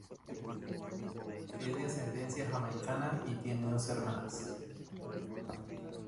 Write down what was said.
Es de ascendencia jamaicana y tiene dos hermanas.